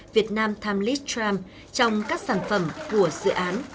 việt nam tham lý tram trong các sản phẩm của dự án